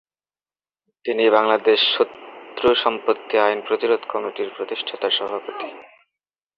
তিনি বাংলাদেশ শত্রু সম্পত্তি আইন প্রতিরোধ কমিটির প্রতিষ্ঠাতা সভাপতি।